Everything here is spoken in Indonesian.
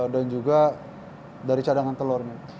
dan juga dari cadangan telurnya